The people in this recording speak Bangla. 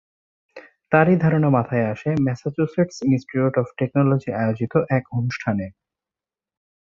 তার এই ধারণা মাথায় আসে ম্যাসাচুসেটস ইন্সটিটিউট অব টেকনোলজি আয়োজিত এক অনুষ্ঠানে।